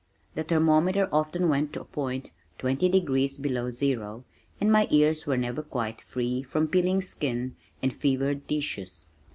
The thermometer often went to a point twenty degrees below zero, and my ears were never quite free from peeling skin and fevered tissues.